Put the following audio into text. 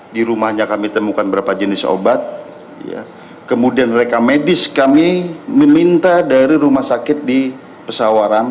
di rumahnya kami temukan berapa jenis obat kemudian reka medis kami meminta dari rumah sakit di pesawaran